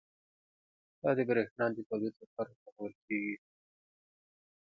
دا د بریښنا د تولید لپاره کارول کېږي.